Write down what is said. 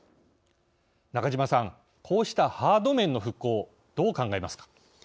中島さん、こうしたハード面の復興をどう考えますか。